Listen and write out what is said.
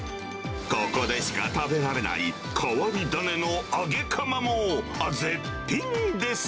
ここでしか食べられない変わり種のあげかまも絶品です。